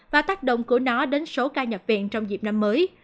và tác động của nó đến số ca nhập viện trong dịp năm mới